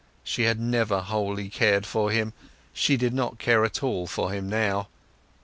She had never wholly cared for him; she did not at all care for him now.